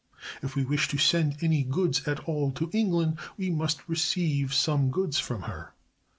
If we wish to send any goods at all to England, we must receive some goods from her.